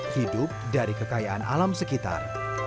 hidup dari kekayaan alam sekitar